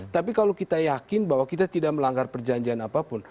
tapi kalau kita yakin bahwa kita tidak melanggar perjanjian apapun